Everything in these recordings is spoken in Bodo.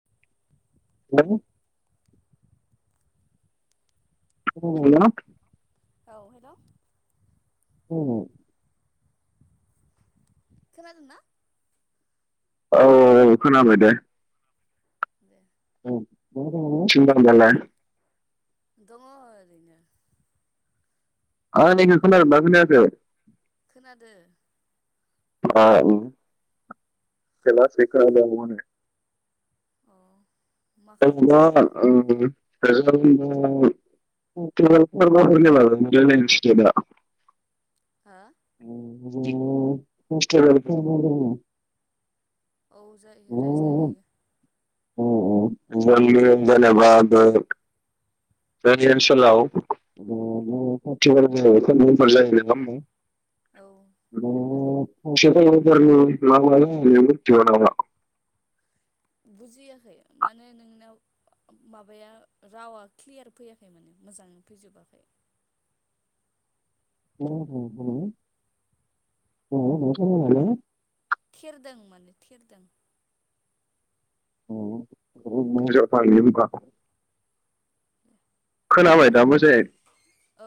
[inaudible] हेलौ औ हेलौ औ खोनादोंना औ औ औ खोनाबाय दे। दे [inaudible] दङ ओरैनो आंनिखो खोनादों ना खोनायाखै? खोनादो [unintelligible] अ' मा खालामदों नोंलाय [unintelligible] [unintelligible] हा उम [unintelligible] औ जायो रायज्लायजायो। उम उम [unintelligible] जोंनि ओनसोला [unintelligible] नङा होनबा? औ [unintelligible] बुजियाखै माने नोंनाव माबाया रावा क्लियार फैयाखै माने मोजाङै फैजोबाखै। [unintelligible] दों माने थेरदों। [unintelligible] खोनाबाय दा मोजाङै? औ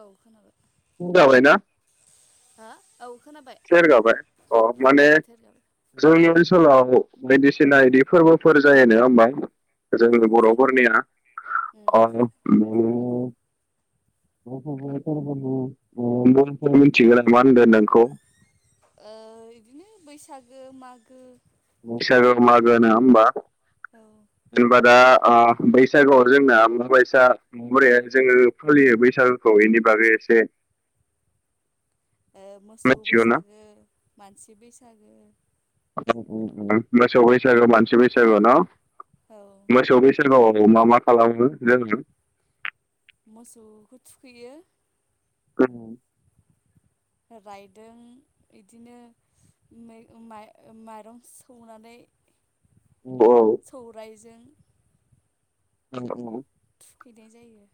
खोनाबायना? हो औ। खोनाबाय थेरगाबाय अ' माने ओं थेरगाबाय जोंनि ओनस सोलाव बायदिसिना इदि फोरबोफोर जायो, नोङा होमबा? औ जोंनि बर' जायो फोरनिया उम अ‌' उम [unintelligible] मुं मिथिगो नामा होनदो नोंखौ? ओ बिदिनो बैसागो, मागो बैसागो, मागो नोङा होमबा? औ जेनबा दा ओ बैसागुआव जोंना माबाइसा माबोरै जोङो फालियो बैसागुखौ बेनि बागै एसे ओ मोसौ मिथिगौ ना बैसागो, मानसि बैसागो [inaudible] उम उम मोसौ बैसागो, मानसि बैसागो न'? औ मोसौ बैसागोआव मा मा खालामो? जोङो मोसौखौ थुखैयो। उम रायदों इदिनो मै-माइ-माइरं सौनानै। औ सौरायजों उम उम। थुखैनाय जायो।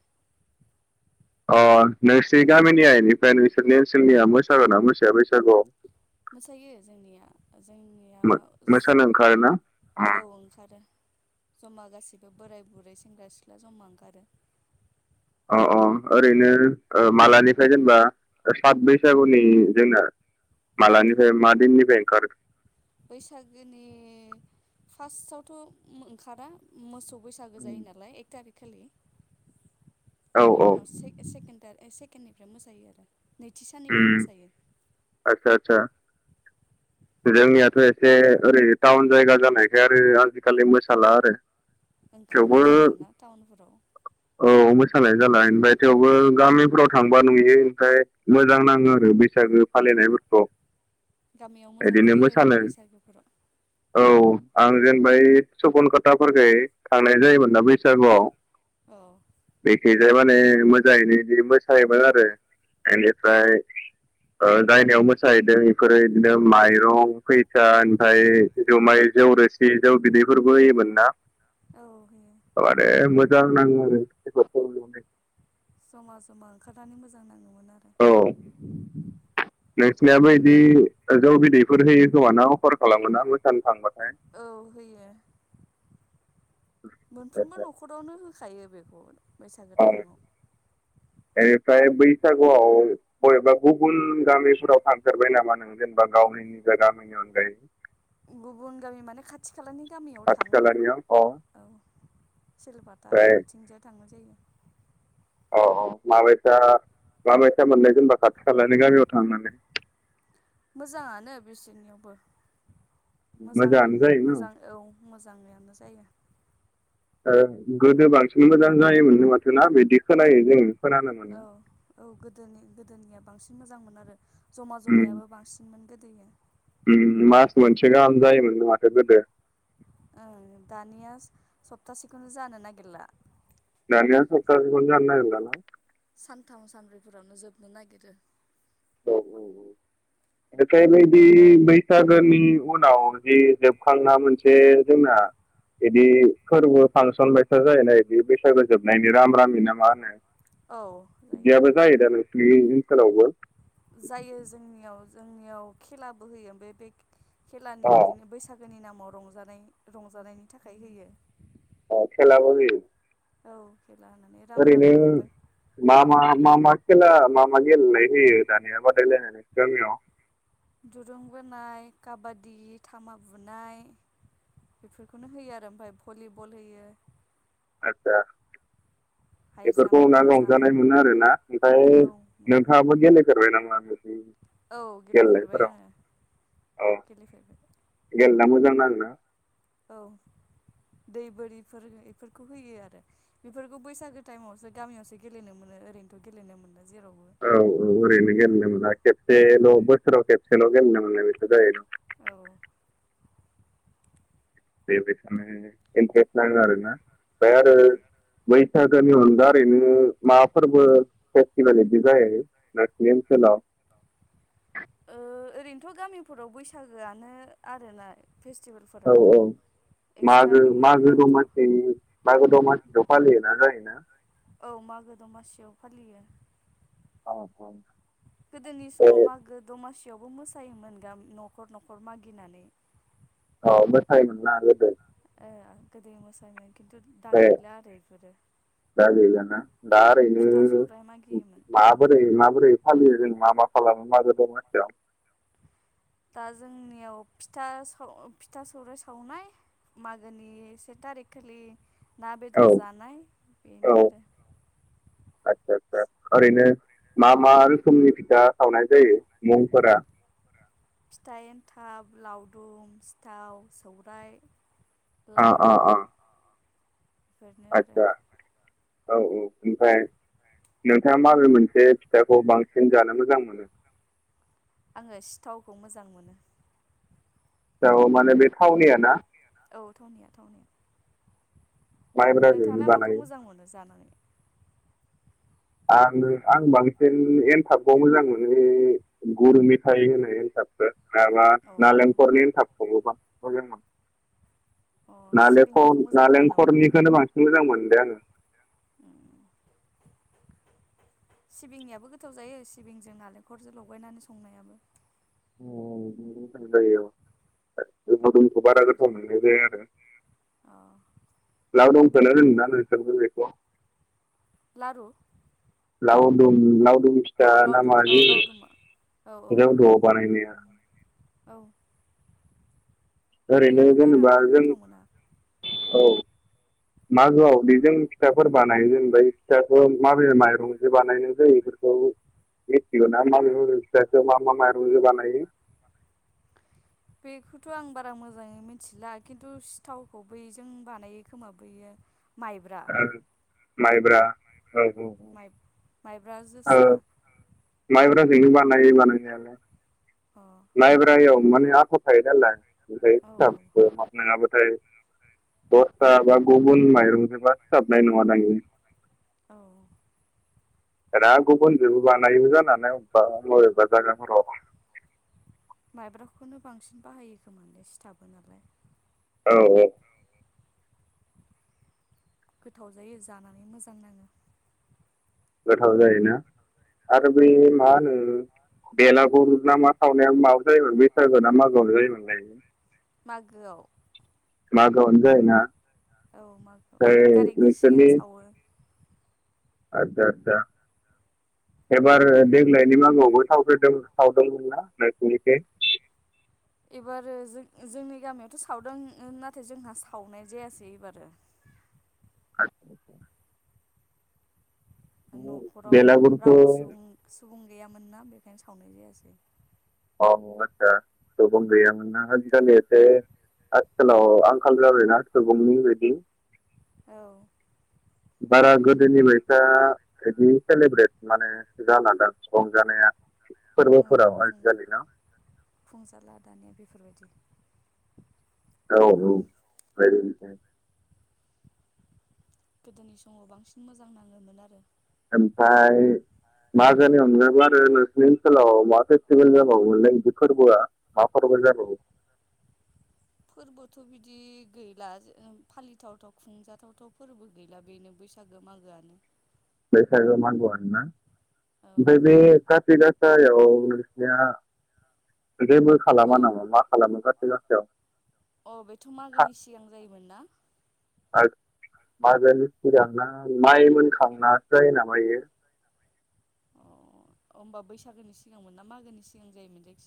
ओ नोंसोरनि गामिनिया इनिफ्राय नोंसोरनि ओनसोलनिया मोसागोना मोसाया बैसागोआव? मोसायो जोंनिया। जोंनिया मो मोसानो ओंखारोना औ अ ओंखारो। जमा गासिबो बोराय बुरै सेंग्रा सिख्ला जमा ओंखारो। अ अ ओरैनो मालानिफ्राय जेनेबा सात बैसागुनि जोंना मालानिफ्राय मा दिननिफ्राय ओंखारो। बैसागोनि फार्स्टआवथ' ओंखारा मोसौ। बैसागो जायो नालाय एक थारि। खालि। औ बेनि औ उनाव से सेकोण। सिकेननिफ्राय मोसायो आरो। नैथि उ साननिफ्राय मोसायो आतसा आतसा। जोंनियाथ' एसे ओरै टाउन जायगा जानायखाय आरो आजिखालि मोसाला आरो। थेवबो ओंखारनाय जालाना टाउनफोराव। औ मोसानाय जाला ओमफ्राय थेवबो गामिफोराव थांबा नुयो ओमफ्राय। मोजां नाङो आरो बैसागो फालिनायफोरखौ। गामियाव मोजां बिदिनो जायो मोसानो बैसागोफोराव। औ आं जेनेबा सपन कटाफोरखै थांनाय जायोमोनना बैसागुआव। औ। बे माने मोजाङैनो बि मोसायोमोन आरो। बेनिफ्राय जायनियाव मोसाहैदों बेफोरो बिदिनो माइरं फैसा ओमफ्राय जुमाइ जौ रोसि जौ बिदैफोरबो होयोमोन ना। औ होयो आरो। मोजां नाङो आरो। ज'मा ज'मा ओंखारनानै मोजां नाङो। औ। नोंसिनाबो बिदि जौ बिदैफोर होयो खोमाना अफार खालामोना। औ होयो। मोनफ्रोमबो न'खरावनो होखायो बेखौ। बैसागो औ टाइमाव। बेनिफ्राय बैसागुआव बबेबा गुबुन गामिफोराव थांथेरबाय नामा नों जेनेबा गावनि निजा गामिनि अनगायै। गुबुन गामि माने खाथि खाला। खालानि गामियाव खाथि थाङो खालानियाव अ औ सिलबाथा ओमफ्राय इफोरथिंजाय थांनाय जायो। औ औ माबायसा माबायसा मोननाय जेनबा खाथि खालानि गामियाव थांनानै। मोजाङानो बिसोरनियावबो। मोजां मोजाङानो जायो न मोजां औ मोजाङैयानो जायो। ओ गोदो बांसिन मोजां जायोमोननो माथो ना बिदि खोनायो जों औ औ गोदोनि गोदोनिया बांसि न मोजां मोनो आरो। जमा जमायाबो बांसिन मोन गोद दैया। बिनिनो मास मोनसे गाहाम जायोमोनो माथो गोदो ओ दानिया सप्तासेखौनो जानो नागिरला। दानिया सप्तासेखौनो नानो नागिरला ना। सानथाम सानब्रैफोरावनो जोबनो नागिरो। औ औ औ बेनिफ्राय नैबे बैसागोनि उनाव जि जोबखांना मोनसे जोंना बिदि फोरबो फांसन बायसा जायोना बिदि बैसागो जोबनायनि राम रामि ना मा होनो। औ जायो। बियो इनसालावबो जायो जोंनियाव जोंनियाव खेलाबो होयो ओमफाय बे खेलानि अ इदिनो बैसाग जोनि नामाव रंजानाय रंजानायनि थाखाय होयो। अ खेलाबो होयो। औ। खेला होनानै राम ओरैनो रामियाव ओमफ्राय मा मा मा मा खेला मा मा गेलेनाय होयो दानिया बादायलायनायाव नोंसोरनि गामियाव दुरुं बोनाय काबादि थामा बुनाय बेफोरखौनो होयो आरो ओमफाय भलिबल होयो। आतसा। हाइ बेफोरखौ जाम्प लं [unintelligible] रंजानाय जाम्प मोनो आरोना ओमफाय औ मोनो नोंथाङाबो गेलेफेरबाय नामा बिदि औ गेलेफेरबाय गेलेनायफोराव आङो अ गेलेफेरबाय गेले मोजां नांङोना? औ दै बोरिफोर इफोरखौ होयो आरो बेफोरखौ बैसागो टाइमावसो गामियावसो गेलेनो मोनो ओरैनोथ' गेलेनो मोना जेराव औ औ ओरैनो गेलेनो मोनला खेबसेल' बोसोराव खेबसेल' गेलेनो मोननाय बिदिल' जायो। औ। बेबादिनो इन्टारेस्ट नाङो आरो ना। ओमफाय आरो उम बै। [unintelligible] अनगा ओरैनो माबा फोरबो फेस्टिभेल बिदि जायो नोंसिनि ओनसोलाव? ओ ओरैनोथ' गामिफोराव बैसागोआनो आरोना। औ फेस्टिभेलफोराथ' औ एक्सट्रा मागो बिनि मागो अनगाथ' दमासिनि मागो दमासिथ' फालियोना जायोना। औ मागो दमासियाव फालियो। [unintelligible] गोदोनि समाव मागो दमासि। बेयावबो मोसायोमोन गामि न'खर न'खर मागिनानै। [unintelligible] ओ गोदो मोसायोमोन। खिन्थु दा ए गैला आरो बेफोरो दा गैलाना? दा ओरैनो फिथा सौराइ मागियोमोन माबोरै माबोरै फालियो जों मा मा खालामो मागो दमासियाव? दा जोंनियाव फिथा स फिथा सौराय सावनाय मागोनि से थारिख खालि। ना औ बेदर जानाय बेनो औ आरो आतसा सा ओरैनो मा मा रोखोमनि फिथा सावनाय जायो? मुंफोरा फिथाइ एन्थाब लाव दुम सिथाव सौराय। अ लारु। अ बेफोरनो आरो। आदसा औ औ ओमफ्राय नोंथाङा माबोरै मोनसे फिथाखौ बांसिन जानो मोजां मोनो? आङो सिथावखौ मोजां मोनो। औ माने बे थावनिया ना औ थावनिया थावनिया। माइब्राजोंनो नोंथाङालाय माखौ बानायो मोजां मोनो जानानै? आङो आं बांसिन एन्थाबखौ मोजां मोनो गुरु मेथाइ होनाय एनथाबखौ। माबा अ नालेंखरनि एथाबखौ बांसिन मोजां मोनो। अ नालेखर सिबिंनिखौ मोजां मोना नामा नालेंखलनिखौनो बांसिन मोजां मोनदे आङो। उम सिबिंनियाबो गोथाव जायो सिबिंजों नालेंखरजों लगायनानै संनायाबो। ओम बेबो गोदान थारो औ। मोदोमखौ बारा गोथाव मोननाय जाया आरो अ लावदु [unintelligible] लारु? लावदुम लाव औ लावदुम औ लावदुम औ औ होनो जौद'आव बानायनाया लावदुम औ। ओरैनो बेखौ बारा जेनेबा जों गोथाव मोना औ। मागोआव बेजों फिथाफोर बानायो जेनेबा इ फिथाखौ माबे माइरंजो बानायनाय जायो बेफोरखौ मिथिगौ ना? माब फिथखौ मा मा माइरंजों बानायो? बेखौथ' आं बारा मोजाङै मिथिला खिन्थु सिथावखौ बैजों बानायो खोमा बैयो। माइब्रा। माइब्रा। औ औ माइ माइब्रा औ। जोसा ओ माइब्राजोंनो बानायो बानायनायालाय अ माइब्रायाव माने आथा थायो नालाय ओमफ्राय औ सिथाबो नङाबाथाय दस्रा बा गुबुन माइरंजोंबा सिथाबनाय नङा थदां इयो। औ। दा गुबुनजोंबो बानायो जानानै अबेबा बबेेबा जायगाफोराव। माइब्राखौनो बांसिन बाहायो खोमा दे सिथाबो नालाय औ औ। गोथाव जायो जानानै मोजां नाङो। औ जायोना आरो बे उम मा होनो बेला गुर ना मा सावनाया माबा जायोमोन बैसागु ना मागोआव जायोमोनलाय? [inaudible] मागोआव। मा औ मागोआव एक ओमफ्राय थारिकनि सिगां नोंसोरनि सावो। आदसा आदसा एबार देग्लायनि मागोआवबो सावग्रोदों सावदोंमोन ना नोंसिनिथिं एबारो जों जोंनि गामियावथ' सावदों नाथाय जोंहा सावनाय जायासै एबारो आत न'खराव बेलागुरखौ रावबो सुबुं सुबुं गैयामोन ना बेखायनो सावनाय जायासै औ आदसा सुबुं गैयामोन ना आजिखालि एसे आथिखालाव आंखाल जाबाय ना सुबुंनि बायदि औ बारा गोदोनि बायसा इदि सेलेब्रट माने जालादां रंजानाया औ फोरबोफोराव आजिखालि ना फुं-फुंजाला दानिया बेफोरबायदि औ औ गोदोनि समाव बांसिन मोजां नाङोमोन आरो ओमफाय मागोनि अनगाबो आरो नोंसिनि ओनसोलाव मा फेस्टिभेल जाबावो इदि फोर्बोआ मा फोरबो जाबावो? फोरबोथ' बिदि गैला जे फालिथावथाव खुंजाथावथाव फोरबो गैला बेनो बैसागो मागोआनो बैसागो मागोआनो ना औ ओमफाय बे खाथि गा सायाव नोंसिना जेबो औ खालामा नामा मा खालामो खाथि गासायाव अ बेथ' था- मागोनि सिगां जायोमोन ना आ मागोनि सिगां ना माइ मोनखांनासो जायो नामा बे अ होमबा बैसागोनि सिगांमोन ना मागोनि सिगां जायोमोन जायो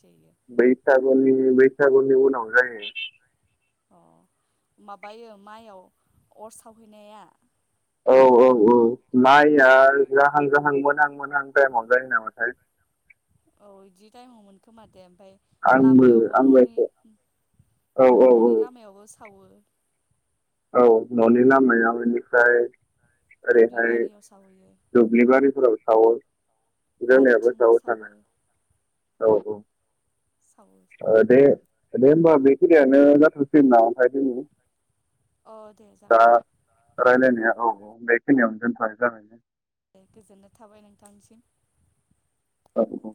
बैसागुनि बैसागुनि उनावनो जायो। अ माबायो माइआव अर सावहैनाया औ औ औ माइया अ जाहां जाहां मोनहां मोनहां टाइमाव जायो नामाथाय औ बिदि टाइमावमोनखोमा देम ओमफ्राय आंबो लामायावबो आंबो न'नि एसे औ औ न'नि लामायावबो सावो। औ न'नि लामायाव इनिफ्राय दुब्लि ओरैहाय बारियाव सावहैयो दुब्लिबारिफोराव बारिथिंबो औ [unintelligible] सावो थाना औ औ सावो ओ दे। दे होमबा बेखिनियावनो जाथ'सैगोन नामा ओमफाय दिनि। अ दे दा जागोन दे रायलायनाया औ औ। बेखिनियावनो दोनथ' जाबायनो। दे गोजोननाय थाबाय नोंथांसिम। औ